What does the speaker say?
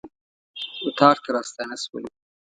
اطاق ته راستانه شولو.